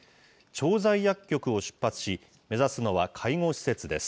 調剤薬局を出発し、目指すのは介護施設です。